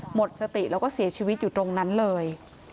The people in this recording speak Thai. หมดสติแล้วก็เสียชีวิตอยู่ตรงนั้นเลย